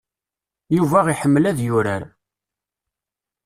Yuba iḥemmel ad yurar.